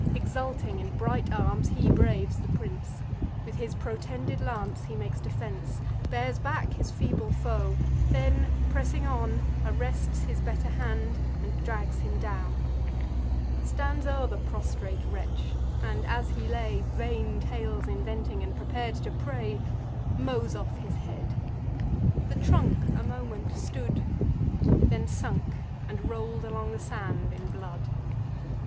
Exulting in bright arms, he braves the prince: With his protended lance he makes defence; Bears back his feeble foe; then, pressing on, Arrests his better hand, and drags him down; Stands o'er the prostrate wretch, and, as he lay, Vain tales inventing, and prepar'd to pray, Mows off his head: the trunk a moment stood, Then sunk, and roll'd along the sand in blood.